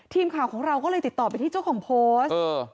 ทีมข่าวของเราก็เลยติดต่อไปที่เจ้าของโพสต์